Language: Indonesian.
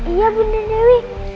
iya bunda dewi